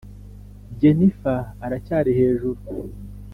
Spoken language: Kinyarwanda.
jennifer aracyari hejuru.